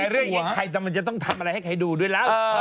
แต่ก่อนนั้นมีผัวมันจะต้องทำอะไรให้ใครดูด้วยน่ะเออ